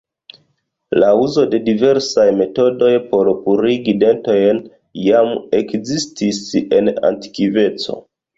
La uzo de diversaj metodoj por purigi dentojn jam ekzistis en antikveco.